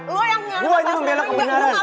gue yang nyari masalah sama lo